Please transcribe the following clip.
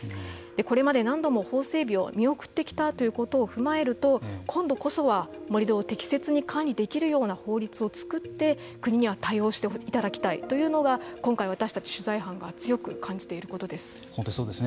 これまで何度も法整備を見送ってきたということを踏まえると今度こそは盛り土を適切に管理できるような法律を作って国には対応していただきたいというのが今回私たち取材班が強く本当にそうですね。